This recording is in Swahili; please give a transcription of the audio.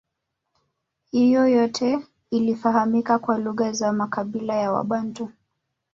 Hiyo yote ilifahamika kwa lugha za makabila ya wabantu